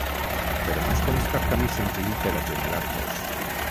Però no es coneix cap camí senzill per a generar-los.